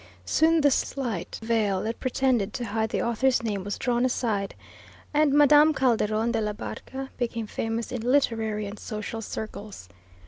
Soon the slight veil that pretended to hide the author's name was drawn aside and Madame Calderon de la Barca became famous in literary and social circles.